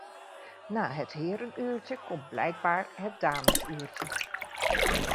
Na het herenuurtje komt blijkbaar het damesuurtje.